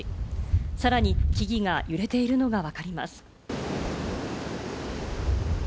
さらに木々が揺れているのがわかります。